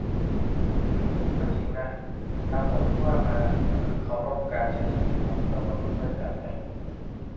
อือ ก็จริงนะ ทั้งหมดที่ว่ามาคือเคารพการใช้ชีวิตของเพื่อนมนุษย์ด้วยกันไง